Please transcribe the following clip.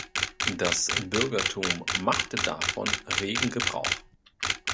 Das Bürgertum machte davon regen Gebrauch.